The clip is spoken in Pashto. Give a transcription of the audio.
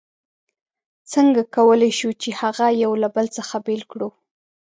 څنګه کولای شو چې هغه یو له بل څخه بېل کړو؟